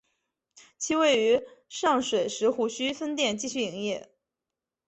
其位于上水石湖墟分店继续营业。